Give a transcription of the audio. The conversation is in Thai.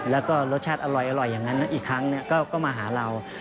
แล้วก็รสชาติอร่อยอย่างนั้นอีกครั้งก็มาหาเรา